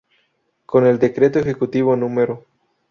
Con el Decreto Ejecutivo No.